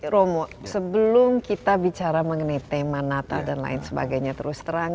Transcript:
romo sebelum kita bicara mengenai tema natal dan lain sebagainya terus terang